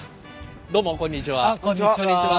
どうもこんにちは。